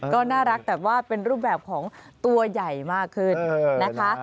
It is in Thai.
ก็น่ารักแต่ว่าเป็นรูปแบบของตัวใหญ่มากขึ้นนะคะ